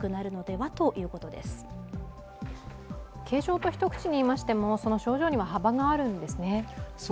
軽症と一口でいいましてもその症状には幅があるんですね。